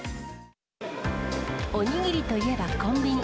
おにぎりといえばコンビニ。